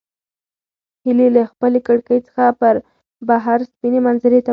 هیلې له خپلې کړکۍ څخه بهر سپینې منظرې ته وکتل.